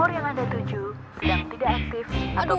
nomor yang ada tujuh sedang tidak aktif